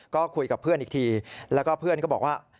ก็คุยกับเพื่อนอีกทีแล้วก็เพื่อนก็บอกว่า